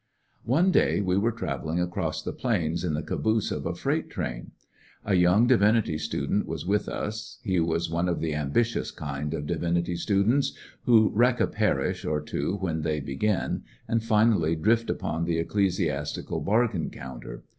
One day we were travelling across the plains Turmr;^ the in the caboose of a freight train, A young diviBity student was with us He was one of the ambitious kind of divinity students^ who wreck a parish or two when they begitij and finally drift upon the ecclesiastical bar gain counter.